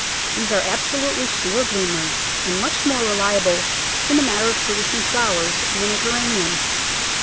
These are absolutely sure bloomers, and much more reliable in the matter of producing flowers than a Geranium.